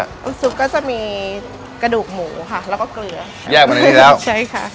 ซุปก็จะมีกระดูกหมูค่ะแล้วก็เกลือแยกมาในเกลือใช่ค่ะ